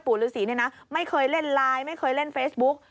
ฤษีเนี่ยนะไม่เคยเล่นไลน์ไม่เคยเล่นเฟซบุ๊ก